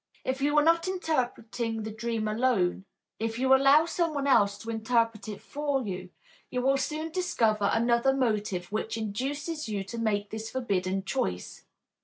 If you are not interpreting the dream alone, if you allow someone else to interpret it for you, you will soon discover another motive which induces you to make this forbidden choice.